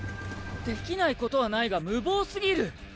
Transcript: できないことはないが無謀すぎる。